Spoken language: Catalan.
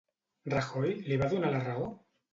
Rajoy li va donar la raó?